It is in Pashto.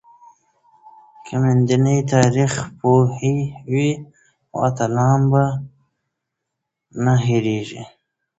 که میندې تاریخ پوهې وي نو اتلان به نه هیریږي.